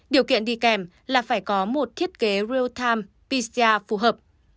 điều kiện đi kèm là phải có một thiết kế real time pcr phù hợp